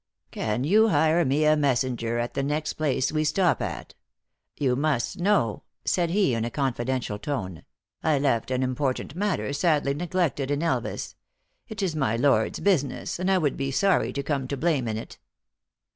; Can you hire me a messenger at the next place we stop at ? You must know," said he, in a confi dential tone, " I left an important matter sadly ne glected in Elvas. It is my lord s business, and I would be sorry to come to blame in it.